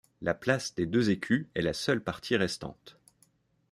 La place des Deux-Écus est la seule partie restante.